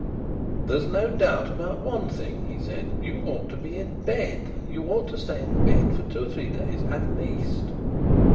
"There's no doubt about one thing," he said, "you ought to be in bed. You ought to stay in bed for two or three days at least."